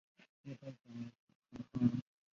美洲鳄比美国短吻鳄对于低温更敏感。